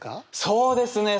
そうですね！